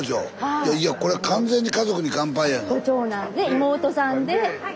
いやいやこれ完全に「家族に乾杯」やな。